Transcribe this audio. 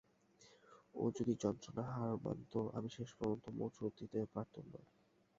ও যদি যন্ত্রণায় হার মানত আমি শেষ পর্যন্ত মোচড় দিতে পারতুম না।